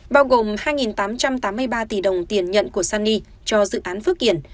bao gồm hai tám trăm tám mươi ba tỷ đồng tiền nhận của sunny cho dự án phước kiển